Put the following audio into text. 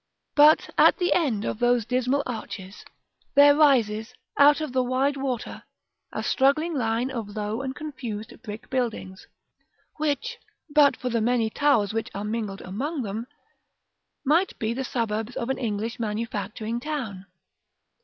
But at the end of those dismal arches, there rises, out of the wide water, a straggling line of low and confused brick buildings, which, but for the many towers which are mingled among them, might be the suburbs of an English manufacturing town.